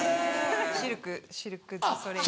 シルクシルク・ドゥ・ソレイユ。